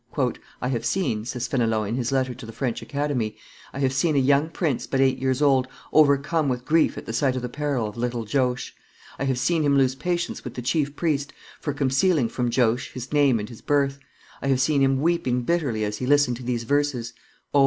"I have seen," says Fenelon in his letter to the French Academy, "I have seen a young prince, but eight years old, overcome with grief at sight of the peril of little Joash; I have seen him lose patience with the chief priest for concealing from Joash his name and his birth; I have seen him weeping bitterly as he listened to these verses: 'O!